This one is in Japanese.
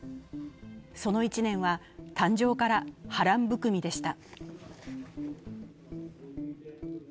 その１年は誕生から波乱含みでした。